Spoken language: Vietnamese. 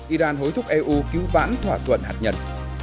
iran hối thúc eu cứu vãn thỏa thuận hạt nhân